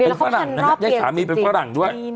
แล้วเข้าทางรอบเกี่ยวจริงดีนะ